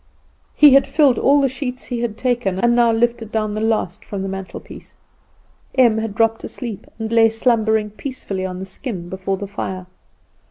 He had filled all the sheets he had taken, and now lifted down the last from the mantelpiece. Em had dropped asleep, and lay slumbering peacefully on the skin before the fire.